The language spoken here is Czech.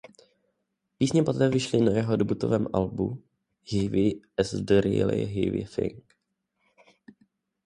Písně poté vyšly na jeho debutovém albu "Heavy as a Really Heavy Thing".